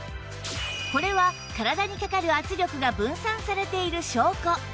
これは体にかかる圧力が分散されている証拠